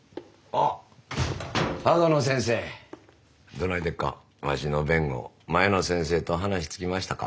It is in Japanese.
どないでっかわしの弁護前の先生と話つきましたか？